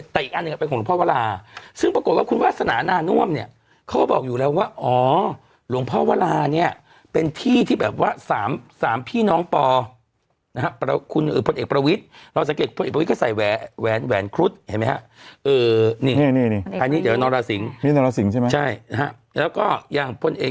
แต่อีกอันประมาณของมลูกพ่อวาลาซึ่งปรากฏว่าคุณวาสนานานั่นน่วมเนี่ยเขาบอกอยู่แล้วว่าอ๋อหลวงพ่อวาลานี่เป็นที่ที่แบบว่า๓สามพี่น้องปอนะครับ